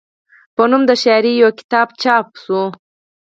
پۀ نوم د شاعرۍ يو کتاب چاپ کړو،